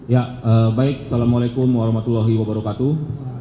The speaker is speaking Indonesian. ya baik assalamu alaikum warahmatullahi wabarakatuh